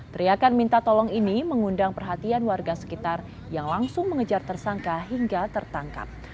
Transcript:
teriakan minta tolong ini mengundang perhatian warga sekitar yang langsung mengejar tersangka hingga tertangkap